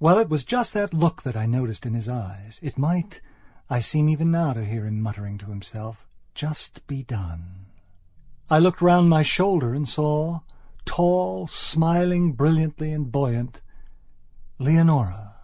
Well, it was just that look that I noticed in his eyes: "It might," I seem even now to hear him muttering to himself, "just be done." I looked round over my shoulder and saw, tall, smiling brilliantly and buoyantLeonora.